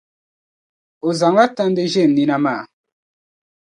O zaŋla tandi ʒe n nina maa.